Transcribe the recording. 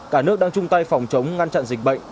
cả nước đang chung tay phòng chống ngăn chặn dịch bệnh